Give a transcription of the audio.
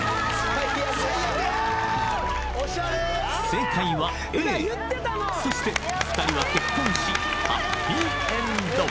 正解はＡそして２人は結婚しハッピーエンド